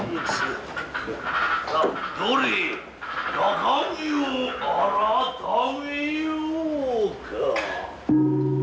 どれ中身をあらためようか。